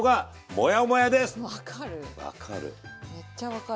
分かる。